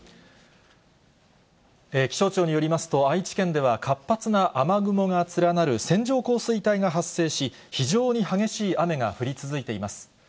気象庁によりますと、愛知県では活発な雨雲がつらなる線状降水帯が発生し、非常に激しい雨が降り続いています。